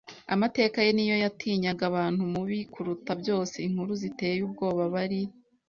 Amateka ye niyo yatinyaga abantu mubi kuruta byose. Inkuru ziteye ubwoba bari -